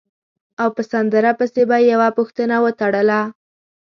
او په سندره پسې به یې یوه پوښتنه وتړله.